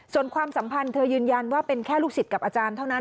ส่วนความสัมพันธ์เธอยืนยันว่าเป็นแค่ลูกศิษย์กับอาจารย์เท่านั้น